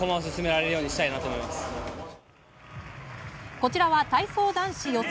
こちらは体操男子予選。